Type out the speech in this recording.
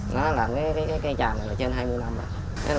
nó làm cái cây tràm này là trên hai mươi năm rồi